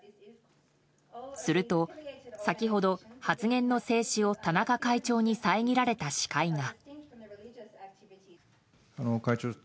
すると、先ほど発言の制止を田中会長に遮られた司会が。